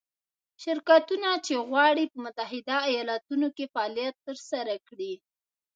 شرکتونه چې غواړي په متحده ایالتونو کې فعالیت ترسره کړي.